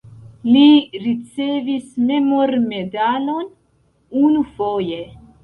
Li ricevis memormedalon unufoje.